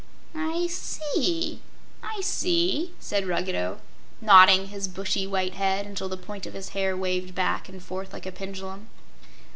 "I see; I see," said Ruggedo, nodding his bushy, white head until the point of his hair waved back and forth like a pendulum.